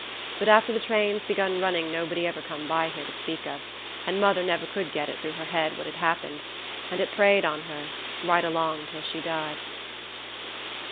But after the trains begun running nobody ever come by here to speak of, and mother never could get it through her head what had happened, and it preyed on her right along till she died."